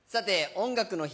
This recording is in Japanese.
「音楽の日」